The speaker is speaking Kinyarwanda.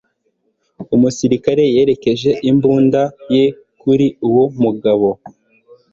Umusirikare yerekeje imbunda ye kuri uwo mugabo.